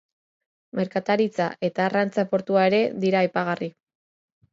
Merkataritza eta arrantza-portua ere dira aipagarri.